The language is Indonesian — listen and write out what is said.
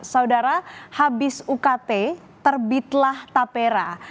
saudara habis ukt terbitlah tapera